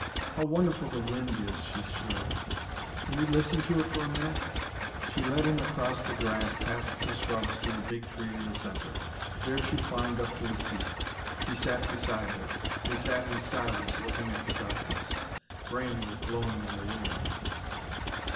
"How wonderful the wind is!" she shrilled. "Shall we listen to it for a minute?" She led him across the grass past the shrubs to the big tree in the centre. There she climbed up to a seat. He sat beside her. They sat in silence, looking at the darkness. Rain was blowing in the wind.